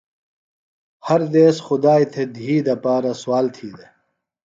ہر دیس خدائی تھےۡ دِھی دپارہ سوال تھی دےۡ۔